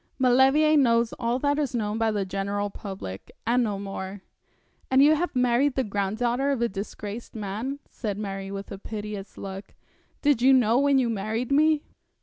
'Maulevrier knows all that is known by the general public, and no more.' 'And you have married the granddaughter of a disgraced man,' said Mary, with a piteous look. 'Did you know when you married me?'